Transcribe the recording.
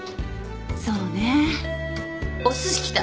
そうね。お寿司きた。